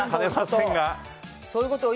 言うな、そういうことを！